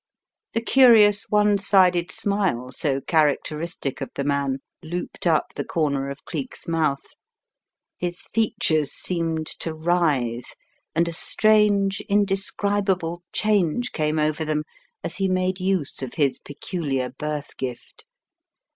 The curious one sided smile so characteristic of the man looped up the corner of Cleek's mouth; his fea tures seemed to writhe; and a strange, indescribable change came over them as he made use of his peculiar birth gift.